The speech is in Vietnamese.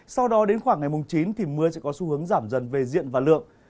sau đó đến khoảng ngày mùng chín thì mưa sẽ có xu hướng giảm dần về diện và lượng